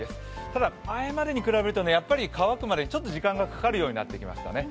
ただ、前までに比べるとやっぱり乾くまでにちょっと時間がかかるようになってきましたね。